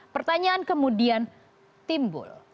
pertanyaan kemudian timbul